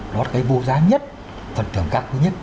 đó là cái vô giá nhất phần trưởng cao nhất